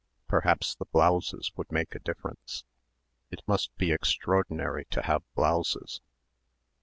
Perhaps the blouses would make a difference it must be extraordinary to have blouses....